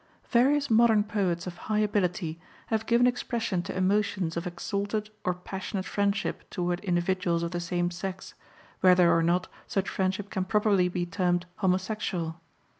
Various modern poets of high ability have given expression to emotions of exalted or passionate friendship toward individuals of the same sex, whether or not such friendship can properly be termed homosexual.